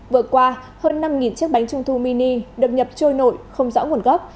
vừa qua hơn năm chiếc bánh trung thu mini được nhập trôi nổi không rõ nguồn gốc